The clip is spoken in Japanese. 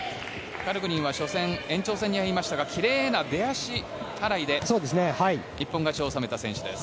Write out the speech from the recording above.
カルグニンは初戦、延長戦に入りましたが奇麗な出足払いで一本勝ちを収めた選手です。